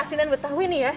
asinan betah wih nih ya